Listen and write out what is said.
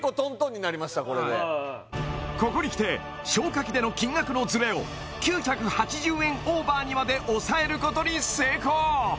今結構ここにきて消火器での金額のズレを９８０円オーバーにまで抑えることに成功